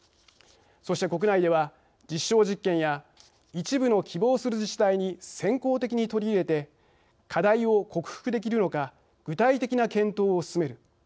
そして、国内では実証実験や一部の希望する自治体に先行的に取り入れて課題を克服できるのか具体的な検討を進める。